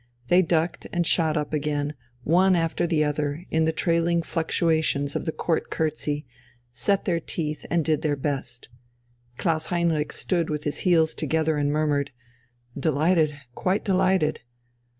They ducked and shot up again, one after the other, in the trailing fluctuations of the Court curtsey, set their teeth and did their best. Klaus Heinrich stood with his heels together and murmured, "Delighted, quite delighted."